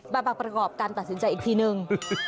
มาประกอบการตัดสินใจอีกทีนึง